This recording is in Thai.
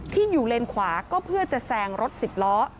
ที่อยู่เลนขวาก็เพื่อจะแซงรถสิบล้อ